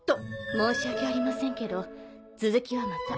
申し訳ありませんけど続きはまた。